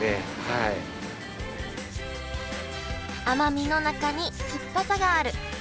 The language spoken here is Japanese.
甘みの中に酸っぱさがある。